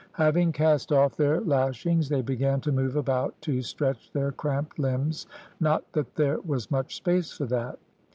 Having cast off their lashings they began to move about to stretch their cramped limbs, not that there was much space for that.